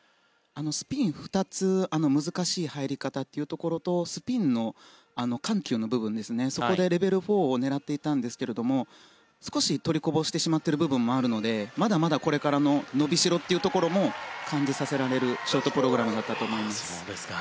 スピン２つ難しい入り方というところとスピンの緩急の部分でレベル４を狙っていたんですけれども少し取りこぼしてしまっている部分もあるのでまだまだこれから伸びしろというところも感じさせられるショートプログラムだったと思います。